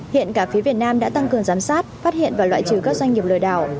hiện cả phía việt nam đã tăng cường giám sát phát hiện và loại trừ các doanh nghiệp lừa đảo